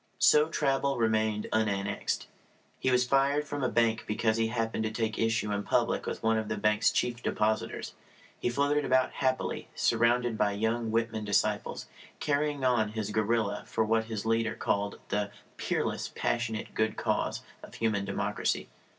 So Traubel remained unannexed. He was fired from a bank because he happened to take issue in public with one of the bank's chief depositors. He floated about happily, surrounded by young Whitman disciples, carrying on his guerrilla for what his leader called the "peerless, passionate, good cause" of human democracy.